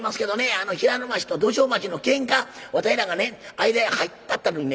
あの平野町と道修町のケンカわたいらがね間へ入ったったのにね